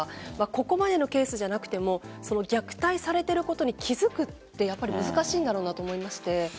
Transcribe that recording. ここまでのケースじゃなくても虐待されていることに気付くってやっぱり難しいんだろうなと思いますね。